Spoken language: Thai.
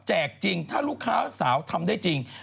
จริงถ้าลูกค้าสาวทำได้จริง